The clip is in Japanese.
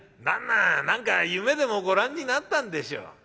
旦那何か夢でもご覧になったんでしょう。